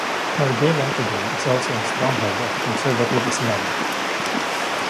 Margilan today is also a stronghold of conservative Islam.